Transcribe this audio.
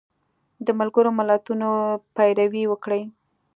د ملګرو ملتونو پیروي وکړي